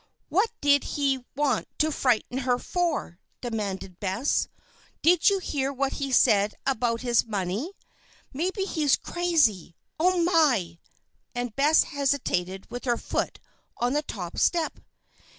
"What did he want to frighten her for?" demanded Bess. "Did you hear what he said about his money? Maybe he's crazy. Oh, my!" and Bess hesitated with her foot on the top step.